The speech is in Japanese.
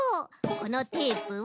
このテープを。